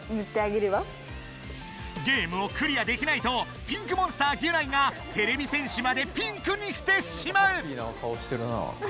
ゲームをクリアできないとピンクモンスターギュナイがてれび戦士までピンクにしてしまう！